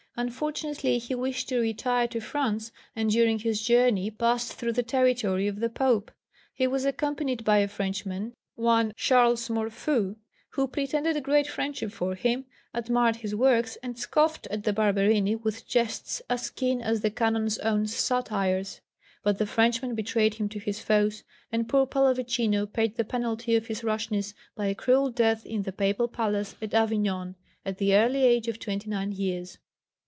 Unfortunately he wished to retire to France, and during his journey passed through the territory of the Pope. He was accompanied by a Frenchman, one Charles Morfu, who pretended great friendship for him, admired his works, and scoffed at the Barberini with jests as keen as the Canon's own satires. But the Frenchman betrayed him to his foes, and poor Pallavicino paid the penalty of his rashness by a cruel death in the Papal Palace at Avignon at the early age of twenty nine years.